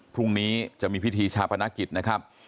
พรุ่งนี้จะมีพิธีชาปนกิจนะครับ